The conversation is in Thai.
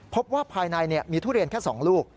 พบว่าภายในมีทุเรียนแค่๒ลูก